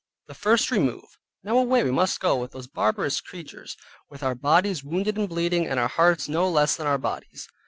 THE FIRST REMOVE Now away we must go with those barbarous creatures, with our bodies wounded and bleeding, and our hearts no less than our bodies.